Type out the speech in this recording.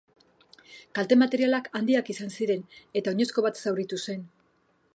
Kalte material handiak izan ziren eta oinezko bat zauritu zen.